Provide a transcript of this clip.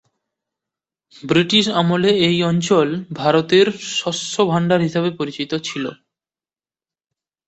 British আমলে এই অঞ্চল ভারতের শস্য ভাণ্ডার হিসাবে পরিচিত ছিল।